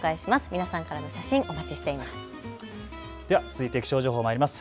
皆さんからの写真お待ちしています。